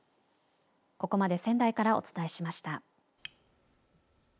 ここまで仙台からお伝えしました。